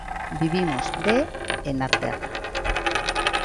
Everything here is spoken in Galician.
Vivimos de e na terra.